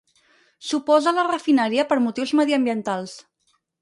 S'oposa a la refineria per motius mediambientals.